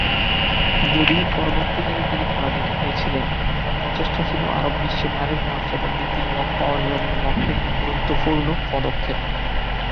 যদিও পরবর্তীকালে তিনি পরাজিত হয়েছিলেন, তার প্রচেষ্টা ছিল আরব বিশ্বে নারীর মর্যাদা বৃদ্ধির লক্ষ্য অর্জনের লক্ষ্যে গুরুত্বপূর্ণ পদক্ষেপ।